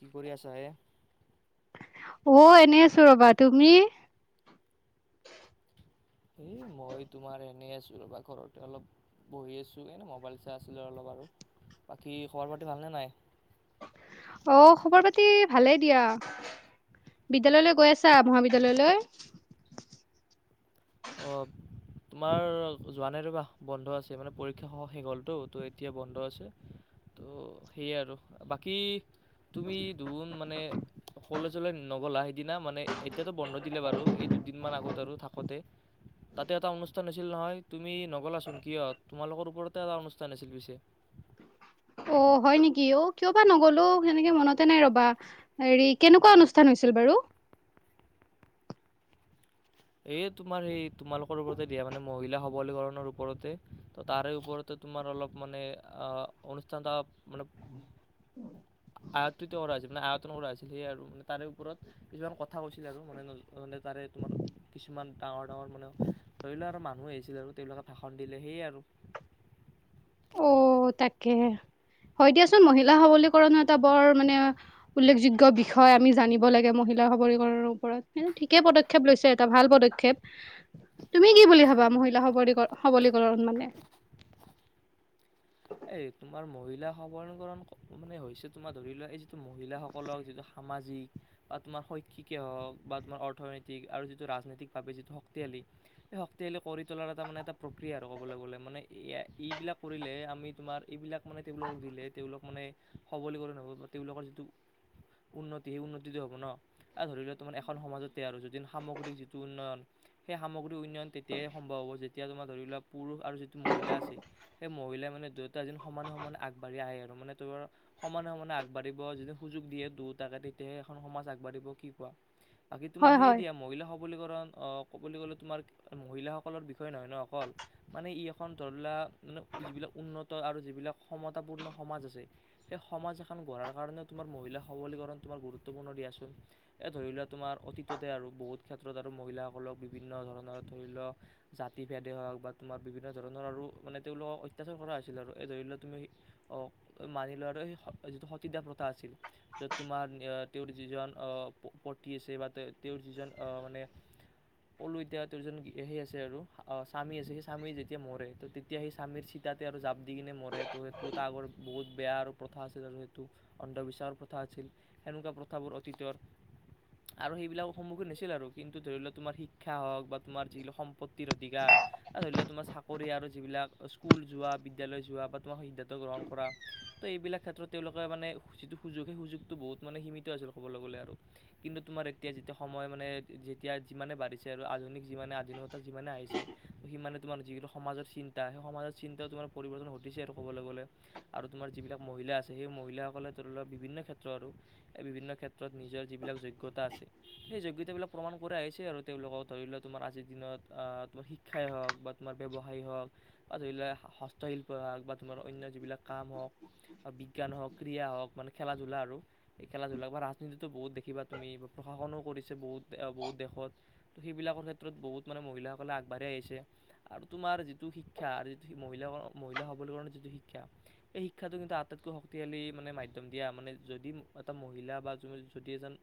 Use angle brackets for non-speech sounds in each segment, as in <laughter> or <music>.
কি কৰি আছা হে? অ', এনেই আছো ৰ'বা, তুমি? এ মই তোমাৰ এনেই আছো ৰ'বা ঘৰতে অলপ বহি আছো, এনেই মোবাইল চাই আছিলো অলপ। আৰু বাকী খবৰ পাতি ভালনে নাই? অ', খবৰ পাতি ভালেই দিয়া। বিদ্যালয়লৈ গৈ আছা, মহাবিদ্যালয়লৈ? অ'। তোমাৰ যোৱা নাই ৰ'বাহ, বন্ধ আছে মানে পৰীক্ষা সমূহ শেষ হ'লতো ত' এতিয়া বন্ধ আছে। ত' সেয়ে আৰু বাকী তুমি <unintelligible> মানে কলেজলৈ নগ'লা, সেইদিনা মানে এতিয়াতো বন্ধ দিলে বাৰু। এই দুদিন মান আগত আৰু থাকোতে তাতে এটা অনুষ্ঠান হৈছিল নহয়, তুমি নগলাচোন কিয়? তোমালোকৰ ওপৰতে এটা অনুষ্ঠান আছিল পিছে। অ', হয় নেকি? অ', কিয়বা নগলো, সেনেকে মনতে নাই ৰ'বা হেৰি কেনেকুৱা অনুষ্ঠান হৈ আছিল বাৰু। এই তোমাৰ সেই তোমালোকৰ ওপৰতে দিয়ে মানে, মহিলা সবলীকৰণৰ ওপৰতে ত' তাৰে ওপৰতে তোমাৰ অলপ মানে, অ', অনুষ্ঠান এটা মানে আয়ত্তটো কৰা হৈছিল, আয়ত যত্ন কৰা হৈছিল সেয়ে আৰু, মানে তাৰে ওপৰত কিছুমান কথা কৈছিলে আৰু মানে তাৰে তোমাৰ কিছুমান ডাঙৰ ডাঙৰ মানে ধৰি লওক আৰু মানুহ আহিছিলে আৰু তেওঁবিলাকে ভাষণ দিলে সেয়ে আৰু। অ' তাকে। হয় দিয়াচোন মহিলা সৱলীকৰণো এটা বৰ মানে উল্লেখযোগ্য বিষয় আমি জানিব লাগে। সবলীকৰৰ ওপৰত ঠিকে পদক্ষেপ লৈছে এটা ভাল পদক্ষেপ, তুমি কি বুলি ভাবা? মহিলা সবলীকৰ সবলীকৰণ মানে। এ তোমাৰ মহিলা সবলীকৰণ মানে হৈছে তোমাৰ ধৰি লোৱা। মহিলাসকলক যিটো সামাজিক বা তোমাৰ শৈক্ষিকেই হওঁক বা তোমাৰ অৰ্থনৈতিক আৰু যিটো ৰাজনৈতিকভাৱে যিটো শক্তিশালী সেই <unintelligible> কৰি তোলাৰ এটা মানে এটা প্ৰক্ৰিয়া আৰু ক'বলৈ গ'লে, মানে <unintelligible> এইবিলাক কৰিলে আমি তোমাৰ এইবিলাক মানে তেওঁলোকক দিলে, তেওঁলোক মানে সৱলীকৰণ হ'ব বা তেওঁলোকৰ যিটো উন্নতি সেই উন্নতিটো হ'ব নহ, আৰু ধৰি লোৱা তোমাৰ এখন সমাজতে আৰু যদিন সামগ্ৰিক যিটো উন্নয়ন সেই সামগ্ৰী উন্নয়ন তেতিয়াইে সম্ভৱ হ'ব যেতিয়া তোমাৰ ধৰি লওোৱা পুৰুষ আৰু যিটো মহিলা আছে সেই মহিলাই মানে ত এ সমানে সমে আগবাঢ়ি আহে আৰু নে তাৰ সমানে সমানে আগবাঢ়িব য সুযোগ দিয়ে দুটা কাটি তেয়া এখন সমাজ আগবাঢ়িব কি কোৱা বাকী তোমাৰ হয় সেইয় হয় দিয়া মহিলা সবলীকৰণ। অ ক'বলৈ গ'লে তোমাৰ মহিলাসকলৰ বিষয়ে নহয় ন অকল মানে ই এখন ধৰিলা। যিবিলাক উন্নত। আৰু যিবিলাক সমতাপূৰ্ণ সমাজ আছে সেই সমাজ এখন গঢ়াৰ কাৰণেও তোমাৰ মহিলা সৱলীকৰণ গুৰুত্বপূৰ্ণ দিয়াচোন এ ধৰি লোৱা তোমাৰ অতীততে আৰু বহুত ক্ষেত্ৰত আৰু মহিলাসকলক বিভিন্ন ধৰণৰ ধৰি লওক জাতি ভেদে হওক বা তোমাৰ বিভিন্ন ধৰণৰ আৰু মানে তেওঁলোকক অত্যাচাৰ কৰা হৈছে। ছিল আৰু এই ধৰি লও তুমি মানি লোৱা আৰু সেই যিটো সতীদা প্ৰত আছিল। চ তোমাৰ তেওঁৰ যিজন আহ পতি আছে, বা তেওঁ তেওঁৰ যিজন মানে অলো এতিয়া তোৰজন সেই আছে আৰু স্বামী আছে সেই স্বামী যেতিয়া মৰে ত তেতিয়া সেই স্বামীৰ ইয়াতে আৰু যাব দি কিনে মৰে ত' সেইটো তাৰ আগৰ বহুত বেয়া আৰু প্ৰথা আছিল আৰু সেইটো অন্ধবিশ্বাসৰ প্ৰথা আছিল। সেনেকুৱা প্ৰথাবোৰ অতীতৰ আৰু সেইবিলাক সন্মুখীন নাছিল আৰু কিন্তু ধৰি লোৱাক তোমাৰ শিক্ষা হওক বা তোমাৰ যিলাক সম্পত্তিৰ অধিকাৰ ধৰি লোৱা তোমাৰ চাকৰি আৰু যিবিলাক স্কুল যোৱা বিদ্যালয় যোৱা বা তোমাক সিদ্ধান্ত গ্ৰহণ কৰা তো এইবিলাক ক্ষেত্ৰত তেওঁলোকে মানে যিটো সুযোগ, সেই সুযোগটো বহুত মানে সীমিত আছিল ক'বলৈ গ'লে আৰু কিন্তু তোমাৰ এতিয়া যেতিয়া সময় মানে যেতিয়া যিমানে বাঢ়িছে আৰু। ধুন যি আধুনতা যিমানে আহিছে সিমানে তোমাৰ যিটো সমাজৰ চিন্তা সেই সমাজৰ চিন্তা তোমাৰ পৰিৱৰ্তন ঘটিছে আৰু ক'বলৈ গ'লে আৰু তোমাৰ যিবিলাক মহিলা আছে সেই মহিলাসকলে ধৰি লওক বিভিন্ন ক্ষেত্ৰ আৰু। বিভিন্ন ক্ষেত্ৰত নিজৰ যিবিলাক যোগ্য়তা আছে সেই যোগ্য়তা বিলাক প্ৰমাণ কৰা আহিছে আৰু তেওঁলোকক জ দিনতাৰ বা তাৰৱসায় হ তটইল পক বা তোমৰ অন্য যিবিলাক কাম হওক বিজ্ঞান হওক ক্ৰড়া হওক মান খেলা ধূলা আৰু খেলা ধূলা বা ৰাজনীতিতটো বহুত দেখিবা তুমি। প্ৰশাসনো কৰিছে বহুত বহুত দেশত ত সেইবিলাকৰ ক্ষেত্ৰত বহুত মানে মহিলাসকলে আগবাঢ়ি আহিছে। আৰু তোমাৰ যিটো শিক্ষা আৰু যিটো স মহিলা মহিলা হ'বল কাৰণৰ যিটো শিক্ষা, এই শিক্ষাটো কিন্তু আটাইতকৈ শক্তিশালী মানে মাধ্যম দিয়া মানে যদি এটা মহিলা বা যদি এজন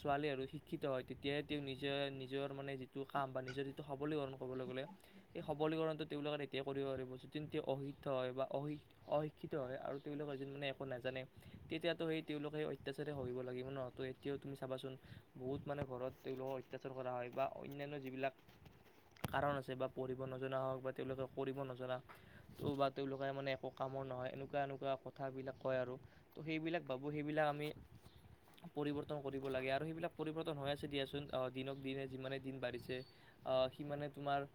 ছোৱালী আৰু শিক্ষিত হয় তেতিয়াই তেওঁ নিজে নিজৰ মানে যিটো কাম বা নিজৰ যিটো সবলীকৰণ ক'বলৈ গ'লে সেই সবলীকৰণটো তেওঁ তিয়া কৰিব পাৰিব যদি তেওঁ অসিক হয় বা অহ অক শিক্ষিত হয় আৰু তেওঁলোকে যদি মানে একো নাজানে তেতিয়াতো সেই তেওঁলোকে অত্যাচাৰাৰে সহিব লাগে ন তহ এয়া তুমি চাবাচোন বহুত মানে ঘৰত তেওঁলোকক অত্যাচাৰ কৰা হয় বা অনন্্যান্য় যিবিলাক কাৰণ আছে বা পঢ়িব নজনা হওক বা তেওঁলোকে কৰিব নজনা বা তেওঁলোকে মানে একো কামৰ নহয় এনেকুৱা এনেকুৱা কথাবিলাক কয় আৰু ত' সেইবিলাক ভাবোঁ সেইবিলাক আমি এক পৰিৱৰ্তন কৰিব লাগে আৰু সেইবিলাক পৰিৱৰ্তন হৈ আছে দিয়াচোন আহ দিনক দিনে যিমানে দিন বাঢ়িছে। আহ সিমানে তোমাৰ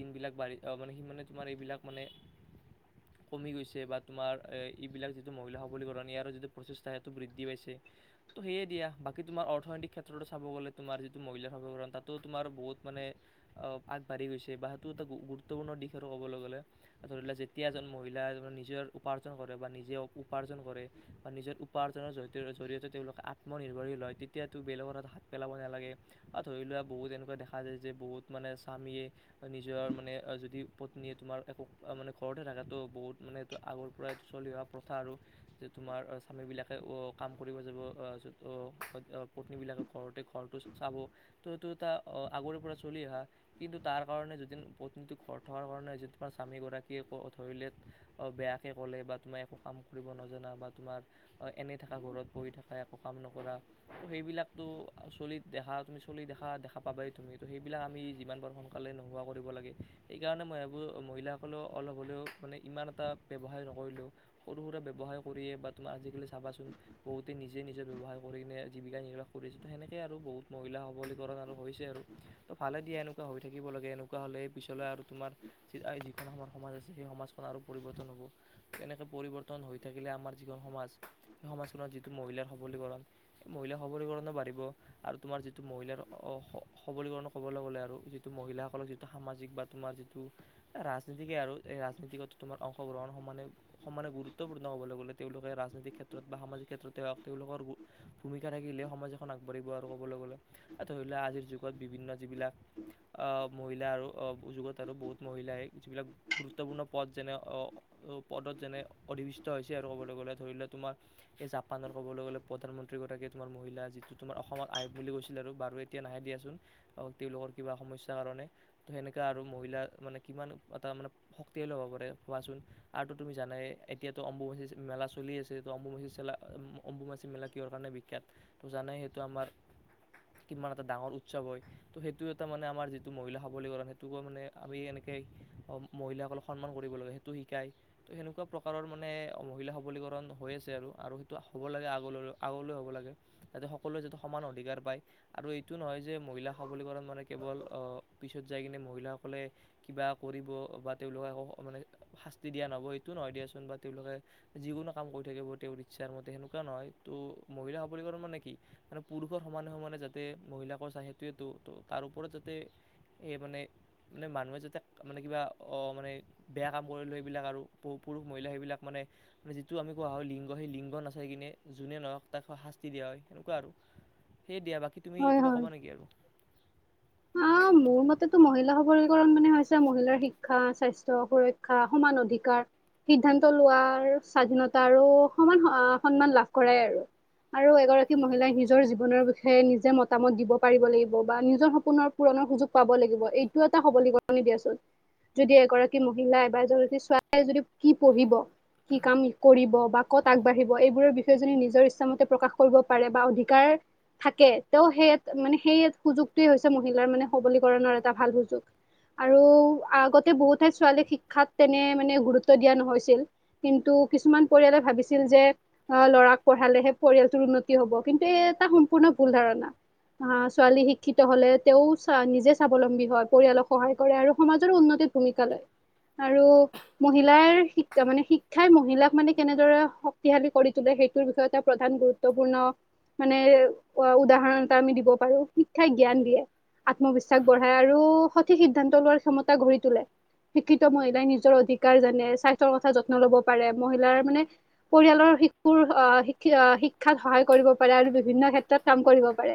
দিন বিলাক বাঢ়ি মানে সিমানে তোমাৰ এইবিলাক মানে <inaudible> কমি গৈছে বা তোমাৰ এ-এইবিলাক যিটো মহিলা সবলীকৰণ ইয়াৰো যিটো প্ৰচেষ্টা সেইটো বৃদ্ধি পাইছে। ত' সেয়ে দিয়া, বাকী তোমাৰ অৰ্থনৈতি ক্ষেত্ৰতো চাব গ'লে তোমাৰ যিটো মহিলাৰ সবলীকৰণ তাতো তোমাৰ বহুত মানে আগবাঢ়ি গৈছে বা সেইটো এটা গুৰুত্বপূৰ্ণ দিশ আৰু কবলৈ গ'লে। ধৰি লোৱা যেতিয়া এজন মহিলা নিজৰ উপাৰ্জন কৰে বা নিজে উপাৰ্জন কৰে বা নিজৰ উপাৰ্জন। জৰিয়তে তেওঁলোকে আত্মনিৰ্ভৰশীল হয় তেতিয়াতো বেলেগৰ পেলাব নালাগে আৰু ধৰি লোৱা বহুত এনেকুৱা দেখা যায় যে বহুত মানে স্বামীয়ে নিজৰ মানে যদি পত্নীয়ে তোমাৰ একো মানে ঘৰতে থকাটো বহুত মানে এইটো আগৰ পৰাই এইটো চলি অহা প্ৰথা আৰু যে তোমাৰ স্বামীবিলাকে কাম কৰিব যাব' পত্নীবিলাকে ঘৰতে ঘ টো আগৰে পৰা চলি অা কিন্তু তাৰ কাৰণে যদিৰ থ কাৰণে <unintelligible> স্বামীগৰাকীয়ে ক ধৰিলে বেয়াকে ক'লে বা তুমি একো কাম কৰিব নজানা বা তোমাৰ এনেই থাকা ঘৰত বহি থকা একো কাম নকৰা সেইবিলাকটো চলিত দেখা তুমি চলি দেখা দেখা পাবাই তুমিতো সেইবিলাক আমি যিমান পাৰোঁ সোনকালে নোহোৱা কৰিব লাগে। সেইকাৰণে, মই এইবোৰ মহিলাসকলেও অলপ হ'লেও মানে ইমান এটা ব্যৱসায় নকৰিলেও সৰু-সুৰা ব্যৱসায় কৰিয়ে বা তোমাৰ আজি আজিকালি চাবাচোন বহুতে নিজে নিজে ব্যৱহাৰ কৰি কিনে জীৱিকা নিৰ্বাহ কৰিছো সেনেকে। আৰু বহুত মহিলা সবলীকৰণ আৰু হৈছে আৰু ত' ভালে দিয়া এনেকুৱা হৈ থাকিব লাগে এনেকুৱা হলে পিছলৈ তোমাৰ যি যিখন আমাৰ সমাজ আছে, সেই সমাজখন আৰু পৰিৱৰ্তন হ'ব এনেকে পৰিৱৰ্তন হৈ থাকিলে আমাৰ যিখন সমা সমাজ সেই সমাজখনত যিটো মহিলাৰ সবলীকৰণ সেই মহিলাৰ সবলীকৰণো বাঢ়িব, আৰু তোমাৰ যিটো মহিলাৰ সবলীকৰণ ক'বলৈ গ'লে আৰু যিটো মহিলাসকলক যিটো সামাজিক বা তোমাৰ যিটো ৰাজনীতিকে আৰু এই ৰাজনীতিকত তোমাৰ অংশগ্ৰহণ সমানে সমানে গুৰুত্বপূৰ্ণ হ'বলৈ গ'লে তেওঁলোকে ৰাজনৈতিক ক্ষেত্ৰত বা সামাজিক ক্ষেত্ৰত তেওঁলোকৰ ভূমিকা থাকিলে সমাজ এখন আগাঢ়িব আৰু ধৰি লোৱা আজিৰ যুগত বিভিন্ন যিবিলাক আহ মহিলা আৰু যগত পদ যেনে পদত যেনে অধিৱিষ্ট হৈছে আৰু ক'বলৈ গ'লে ধৰি লোৱা তোমাৰ এই জাপানৰ ক'বলৈ গ'লে প্ৰধানমন্ত্ৰীগৰাকীয়ে তোমাৰ মহিলা তোমাৰ অসমত আহিব বুলি কৈছিল আৰু বাৰু এতিয়া নাহে দিয়াচোন তেওঁলোকৰ কিবা সমস্যাৰ কাৰণে তেনেকৈ আৰু মহিলা মানে কিমান এটা মানে শক্তিালী হ'ব পাৰে কোৱাচোন আৰুটো তুমি জানে এতিয়াতো অম্বুবাশী মেলা চলি আছে অম্বুমাচী চা অম্বুমাচী মেলা কিহৰ কাৰণে বিখ্যাত ত জানেই সেইটো আমাৰ কিমান এটা ডাঙৰ উৎসৱ হয় ত সেইটো এটা মানে আমাৰ যিটো মহিলা সৱলীকৰণ সেইটোোকে মানে আমি এনেকৈ মহিলাসকলক সন্মান কৰিব লাগে সেইটো শিকায় তো সেনেকুৱা প্ৰকাৰৰ মানে মহিলা সবলীকৰণ হৈ আছে আৰু সেইটো হ'ব লাগে আগলৈ আগলৈ হ'ব লাগে যাতে সকলোৱে যিটো সমান অধিকাৰ পায় আৰু এইটো নহয় যে মহিলা সৱলীকৰণ মানে কেৱল পিছত যাই কিনে মহিলাসকলে কিবা কৰিব বা তেওঁলোকে মানে শাস্তি দিয়া নহব সেটো নহয় দিয়াচোন বা তেওঁলোকে যিকোনো কাম কৰি থাকিব তেওঁৰ ইচ্ছাৰ মতে সেনেকুৱা নহয় ত' মহিল সলীকৰণ মানে কি মানে পুৰুষৰ সমানে সমানে যাতে মহিলাকো চাই সেইটোৱেটো তাৰ ওপৰত যাতে এই মানে মানে মানুহে যাতে মানে কিবা অ মানে বেয়া কাম কৰিলো সেইবিলাক আৰু পুৰুষ মহিলা সেইবিলাক মানে মানে যিটো আমি কোৱা হয় লিংগ সেই লিংগ নাচাই কিনে যোনে নহওক তাক শাস্তি দিয়া হয় সেনেকুৱা আৰু। সেই দিয়া বাকী তুমি কিবা ক'বা নেকি আৰু? অহ মোৰ মতেতো মহিলা সবলীকৰণ মানে হৈছে মহিলাৰ শিক্ষা, স্বাস্থ্য, সুৰক্ষা সমান অধিকাৰ সিদ্ধান্ত লোৱাৰ স্বাধীনতা আৰু সমান সন্মান লাভ কৰাই আৰু। আৰু এগৰাকী মহিলাই নিজৰ জীৱনৰ বিষয়ে নিজে মতামত দিব পাৰিব লাগিব বা নিজৰ স পুনৰ পূৰণৰ সুযোগ পাব লাগিব এইটোও এটা সবলীকৰণে দিয়াচোন। যদি এগৰাকী মহিলাই বা এৰাকী ছোৱাই যদি কি পঢ়িব। কি কাম কৰিব বা ক'ত আগবাঢ়িব এইবোৰৰ বিষয়ে যদি নিজৰ ইচ্ছামতে প্ৰকাশ কৰিব পাৰে বা অধিকাৰ থাকে, ত সেইয়াত মানে সেইয়েত সুযোগটোৱে হৈছে মহিলাৰ মানে সবলীকৰণৰ এটা ভাল সুযোগ। আৰু আগতে বহুত ঠাইত ছোৱালীক শিক্ষাত তেনে মানে গুৰুত্ব দিয়া নহৈছিল কিন্তু <unintelligible> কিছুমান পৰিয়ালে ভাবিছিল যে আ ল'ৰাক পঢ়ালেহে পৰিয়ালটোৰ উন্নতি হ'ব কিন্তু এটা সম্প ভুল ধাৰণা। ছাল শিক্ষিত তেও হ'লে তেওঁ নিজে স্বাৱলম্বী হয়। পৰিয়ালক সহায় কৰে আৰু সমাজৰো উন্নতিৰ ভূমিকা লয়। আৰু মহিলাৰ, শিক্ষা মানে শিক্ষাই মহিলাক মানে কেনেদৰে শক্তিশালী কৰি তোলে সেইটোৰ বিষয়ে এটা প্ৰধান গুৰুত্বপূৰ্ণ মানে উদাহৰণ এটা আমি দিব পাৰো। শিক্ষাই জ্ঞান দিয়ে, আত্মবিশ্বাস বঢ়াই আৰু সঠিক সিদ্ধান্ত লোৱাৰ ক্ষমতা গঢ়ি তোলে। শিক্ষিত মহিলাই নিজৰ অধিকাৰ জানে স্বাস্থ্যৰ কথা যত্ন লব পাৰে মহিলাৰ মানে পৰিয়ালৰ শিশুৰ আহ শিক্ষাত সহায় কৰিব পাৰে আৰু বিভিন্ন ক্ষেত্ৰত কাম কৰিব পাৰে।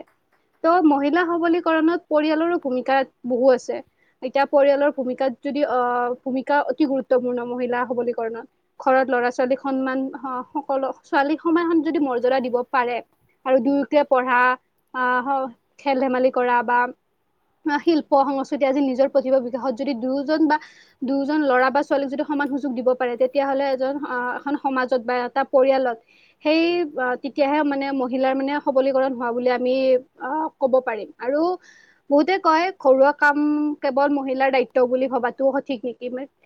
ত মহিলা সবলীকৰণত পৰিয়ালৰো ভূমিকা বহু আছে। এতিয়া পৰিয়ালৰ ভূমিকাত যদি অ ভূমিকা অতি গুৰুত্বপূৰ্ণ মহিলা সবলীকৰণত ঘৰত ল'ৰা-ছোৱালী সন্মান অ সকলো ছোৱালী সমান যদি মৰ্যদা দিব পাৰে আৰু দুয়কে পঢ়া বা খেল ধেমালি কৰা বা শিল্প সংস্কৃতি আজি নিজৰ প্ৰতিভা বিকাশত যদি দুয়োজন বা দুয়োজন ল'ৰা বা ছোৱালীক যদি সময় সুযোগ দিব পাৰে। তেতিয়া হ'লে এজন আহ সমত বা এটা পৰিয়ালত সেই তেতিয়াহে মানে মহিলাৰ মানে সবলীকৰণ হোৱা বুলি আমি ক'ব পাৰিম আৰু বহুতে কয় ঘৰুৱা কাম কেৱল মহিলাৰ দায়িত্ব বুলি ভবাতো হয়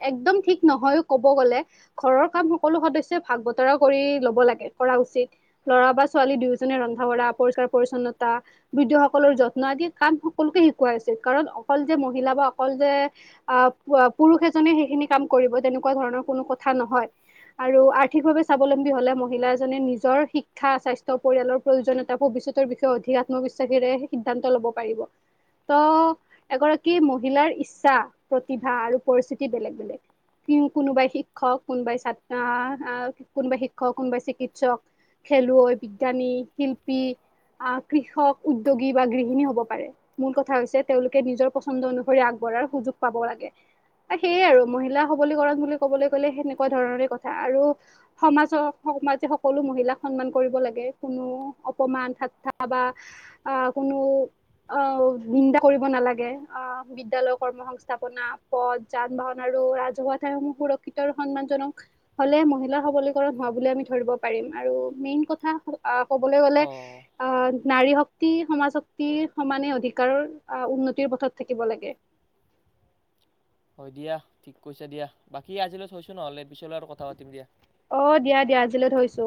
একম ঠিক নহয় ক'ব গলে, ঘৰৰ ক সকলো সদস ভাগ বতৰা কৰি লব লাগে কৰা উচিত ল'ৰা বা ছোৱালী দুয়োজনে ৰন্ধা বঢ়া পৰিষ্কাৰ পৰিছন্নতা বৃদ্ধ সকলৰ যত্ন আদি কাম সকলোকে শিকাই আছে কাৰণ অকল যে মহিলা বা অকল যে আহ পুৰুষ এজনে সেইখিনি কাম কৰিব তেনেকুৱা ধৰণৰ কোনো কথা নহয়। আৰু আৰ্থিকভাৱে স্বাৱলম্বী হ'লে মহিলা এাজনে নিজৰ শিক্ষা স্বাস্থ্য পৰিয়ালৰ প্ৰয়োজনিয়তা বিষয়ে অধিক আত্মবিশ্বাসেৰে সিদ্ধান্ত ল'ব পাৰিব। ত এগৰাকী মহিলাৰ ইচ্ছা, প্ৰতিভা আৰু পৰিস্থিতি বেলেগ বেলেগ। কোনোবাই শিক্ষক, কোনোবাই ছাত্ৰ, কোনোবাই শিক্ষক, কোনোবাই চিকিৎসক, খেলুৱৈ, বিজ্ঞানী, শিল্পী, কৃষক, উদ্যোগী বা গৃহিনী হ'ব পাৰে। মূল কথা হৈছে তেওঁলোকে নিজৰ পচন্দ অনুসৰি আগবঢ়াৰ সুযগ পাব লাগে। সেয়ে আৰু মহিলা সবলীকৰণ বুলি কবলৈ গলে সেনেকুৱা ধৰণৰে কথা আৰু সমাজৰ সমাজে সকলো মহিলাক সন্মান কৰিব লাগে কোনো অপমান থ বা আ কোনো অ নিন্দা কৰিব নালাগে। অ বিদ্যালৈ কৰ্ম সংস্থাপনা পথ যান বাহন আৰু আৰু ৰাজহুৱা ঠাইসমূহ সুৰক্ষিত আৰু সন্মান জনক হলে মহিলাৰ সবলীকৰণ হোৱা বুলি আমি ধৰিব পাৰিম। আৰু মেইন কথা ক'বলৈ গলে অ আহ নাৰী শক্তি সমাজ শক্তিৰ সমানে অধিকাৰৰ আহ উন্নতিৰ পথত থাকিব লাগে। <unintelligible> হয় দিয়া। ঠিক কৈছে দিয়া। বাকী আজিলৈ থৈছো নহ'লে পিছলৈ আৰু কথা পাতিম দিয়া অ দিয়া দিয়া আজিলৈ থৈছো।